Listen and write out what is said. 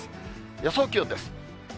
予想気温です。